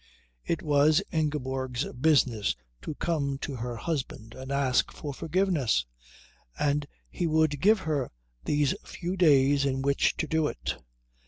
It was Ingeborg's business to come to her husband and ask for forgiveness, and he would give her these few days in which to do it.